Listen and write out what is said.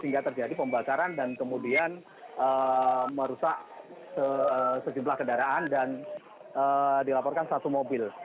hingga terjadi pembakaran dan kemudian merusak sejumlah kendaraan dan dilaporkan satu mobil